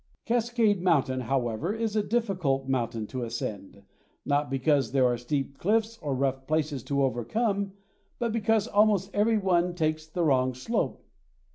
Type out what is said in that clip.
Cascade Mountain, however, is a difficult mountain to ascend, not because there are steep cliffs or rough places to overcome, but because almost every one takes the wrong slope.